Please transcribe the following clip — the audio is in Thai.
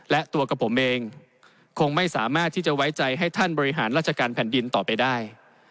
และตัวกับผมเองคงไม่สามารถที่จะไว้ใจให้ท่านบริหารราชการแผ่นดินต่อไปได้